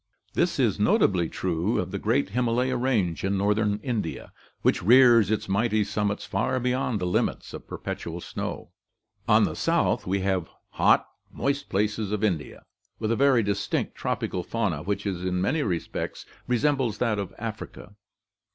This is notably true of the great Himalaya Range in northern India, which rears its mighty summits far beyond the limits of perpetual snow. On the south we have the hot, moist plains of India, with a very distinct tropical fauna which in many respects resembles that of Africa.